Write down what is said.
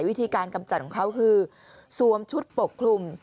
วิธีการกำจัดของเขาคือสวมชุดปกคลุม